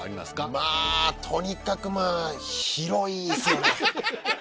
まぁとにかくまぁ広いですよね。